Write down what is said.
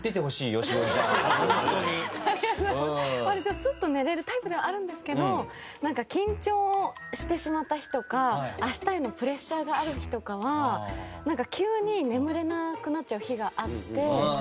割とスッと寝れるタイプではあるんですけどなんか緊張してしまった日とか明日へのプレッシャーがある日とかは急に眠れなくなっちゃう日があって。